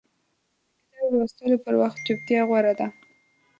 د کتاب لوستلو پر وخت چپتیا غوره ده.